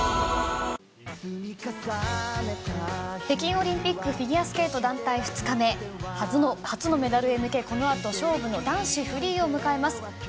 北京オリンピックフィギュアスケート団体２日目初のメダルへ向け、この後勝負の男子フリーを迎えます。